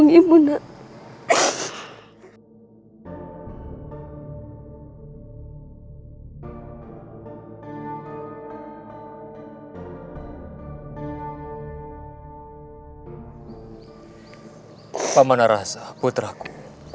ingatlah pesan ramamu ini